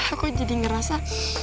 aku jadi ngerasa